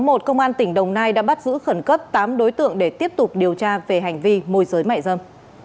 vào ngày một mươi một tháng một công an tỉnh đồng nai đã bắt giữ khẩn cấp tám đối tượng để tiếp tục điều tra về hành vi môi giới mải dâm